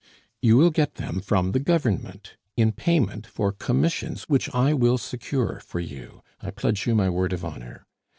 "You will get them from the Government, in payment for commissions which I will secure for you, I pledge you my word of honor.